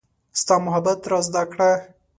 ستا محبت را زده کړه